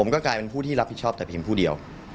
ก็กลายเป็นผู้ที่รับผิดชอบแต่เพียงผู้เดียว